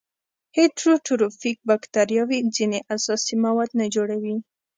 هیټروټروفیک باکتریاوې ځینې اساسي مواد نه جوړوي.